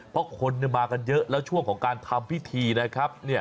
เพราะคนมากันเยอะแล้วช่วงของการทำพิธีนะครับ